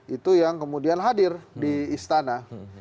itu yang kemudian hadir di istana